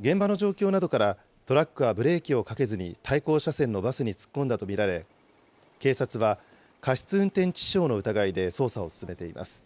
現場の状況などから、トラックはブレーキをかけずに対向車線のバスに突っ込んだと見られ、警察は過失運転致死傷の疑いで捜査を進めています。